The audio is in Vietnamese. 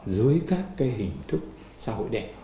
dưới các cái hình thức xã hội đẹp